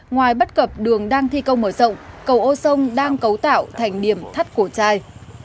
ngoài bất cập đường đang thi công mở rộng cầu ô sông đang cấu tạo thành điểm thắt cổ chai